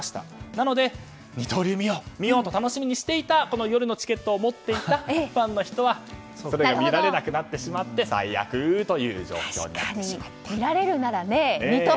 なので、二刀流を見ようと楽しみにしていた夜のチケットを持っていたファンの人は見られなくなってしまって最悪という状況になりました。